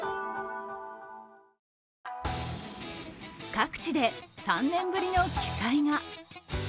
各地で３年ぶりの奇祭が。